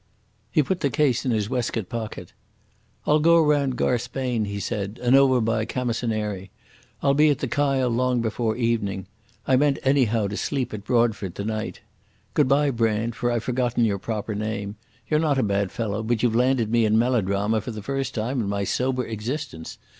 He put the case in his waistcoat pocket. "I'll go round Garsbheinn," he said, "and over by Camasunary. I'll be at the Kyle long before evening. I meant anyhow to sleep at Broadford tonight.... Goodbye, Brand, for I've forgotten your proper name. You're not a bad fellow, but you've landed me in melodrama for the first time in my sober existence.